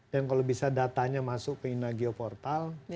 dan kalau bisa datanya masuk ke inagio portal